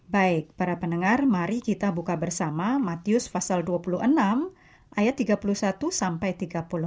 baik para pendengar mari kita buka bersama matius pasal dua puluh enam ayat tiga puluh satu sampai tiga puluh enam